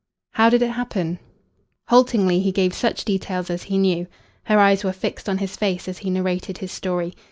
"How did it happen?" Haltingly he gave such details as he knew. Her eyes were fixed on his face as he narrated his story.